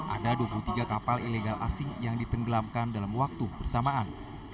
ada dua puluh tiga kapal ilegal asing yang ditenggelamkan dalam waktu bersamaan